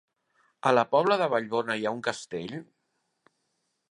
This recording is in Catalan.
A la Pobla de Vallbona hi ha un castell?